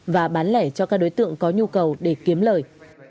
và bán lẻ cho các đối tượng có nhu cầu để kiếm lời